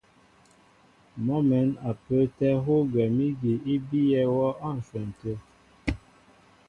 Mɔ mɛ̌n a pə́ə́tɛ́ hú gwɛ̌m ígi í bíyɛ wɔ á ǹshwɛn tə̂.